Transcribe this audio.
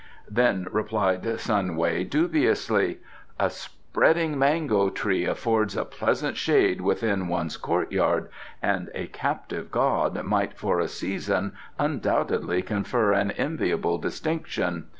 Then replied Sun Wei dubiously: "A spreading mango tree affords a pleasant shade within one's courtyard, and a captive god might for a season undoubtedly confer an enviable distinction.